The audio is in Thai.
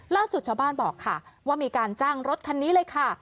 ชาวบ้านบอกค่ะว่ามีการจ้างรถคันนี้เลยค่ะ